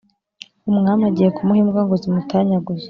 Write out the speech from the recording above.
umwami agiye kumuha imbwa ngo zimutanyaguze,